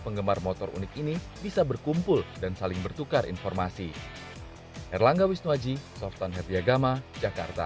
penggemar motor unik ini bisa berkumpul dan saling bertukar informasi erlangga wisnuaji softan herdiagama jakarta